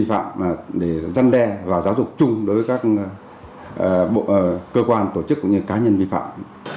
phạm dân đe và giáo dục chung đối với các cơ quan tổ chức cũng như cá nhân vi phạm